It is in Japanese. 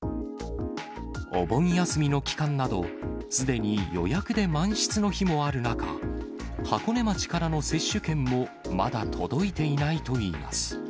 お盆休みの期間など、すでに予約で満室の日もある中、箱根町からの接種券もまだ届いていないといいます。